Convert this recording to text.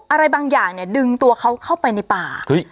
อะไรบางอย่างเนี่ยดึงตัวเขาเข้าไปในป่า